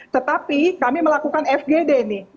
tetapi kami melakukan fgd nih